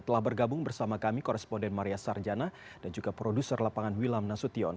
telah bergabung bersama kami koresponden maria sarjana dan juga produser lapangan wilam nasution